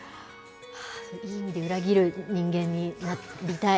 はぁ、いい意味で裏切る人間になりたい。